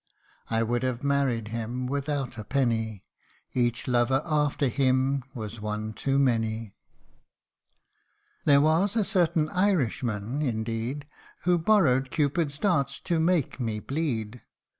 I would have married him without a penny, Each lover after him was one too many ! There was a certain Irishman, indeed, Who borrowed Cupid's darts to make me bleed.